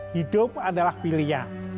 hidup adalah pilihan